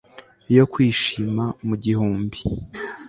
yo kwishima mu gihumbi